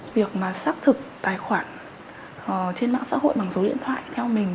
việc mà xác thực tài khoản trên mạng xã hội bằng số điện thoại theo mình